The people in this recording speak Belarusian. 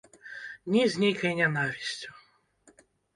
Не з нейкай нянавісцю.